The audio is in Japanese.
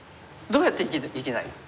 どうやって生きない？